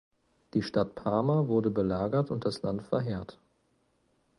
Die Stadt Parma wurde belagert und das Land verheert.